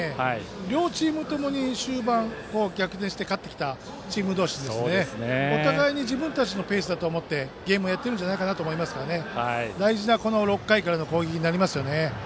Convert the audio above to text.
両チームともに終盤、逆転して勝ってきたチーム同士ですのでお互いに自分たちのペースだと思ってゲームをやっているんじゃないかと思うので大事な６回からの攻撃になりますよね。